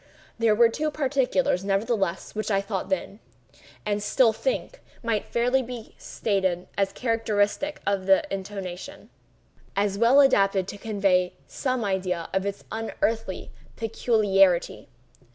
There were two particulars, nevertheless, which I thought then, and still think, might fairly be stated as characteristic of the intonation—as well adapted to convey some idea of its unearthly peculiarity.